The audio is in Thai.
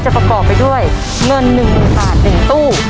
ประกอบไปด้วยเงิน๑๐๐๐บาท๑ตู้